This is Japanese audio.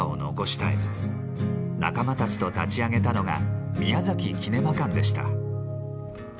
仲間たちと立ち上げたのが宮崎キネマ館でした。